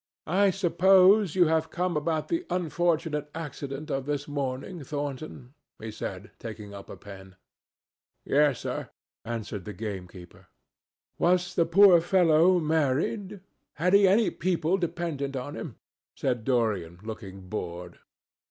"I suppose you have come about the unfortunate accident of this morning, Thornton?" he said, taking up a pen. "Yes, sir," answered the gamekeeper. "Was the poor fellow married? Had he any people dependent on him?" asked Dorian, looking bored.